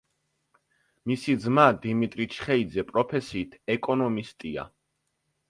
მისი ძმა დიმიტრი ჩხეიძე პროფესიით ეკონომისტია.